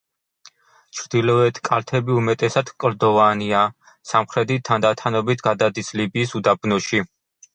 ჩრდილოეთი კალთები უმეტესად კლდოვანია, სამხრეთით თანდათანობით გადადის ლიბიის უდაბნოში.